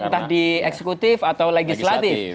entah di eksekutif atau legislatif